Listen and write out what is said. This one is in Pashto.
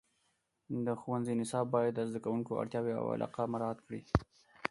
د ښوونځي نصاب باید د زده کوونکو اړتیاوې او علاقه مراعات کړي.